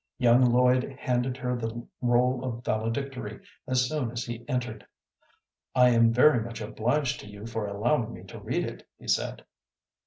Young Lloyd handed her the roll of valedictory as soon as he entered. "I am very much obliged to you for allowing me to read it," he said.